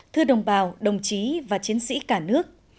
thưa đồng bào đồng chí và chiến sĩ cả nước